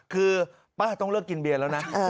คือป้าต้องเลิกกินเบียนแล้วนะ